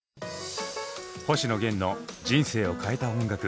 星野源の人生を変えた音楽。